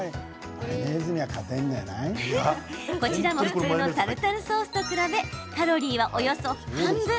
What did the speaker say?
こちらも普通のタルタルソースと比べカロリーは、およそ半分。